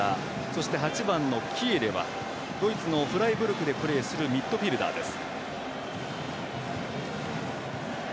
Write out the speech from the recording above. そして８番のキエレはドイツのフライブルクでプレーするミッドフィルダーです。